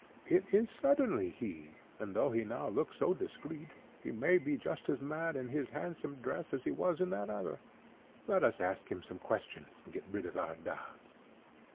It is certainly he; and though he now looks so discreet, he may be just as mad in this handsome dress as he was in that other. Let us ask him some questions, and get rid of our doubts."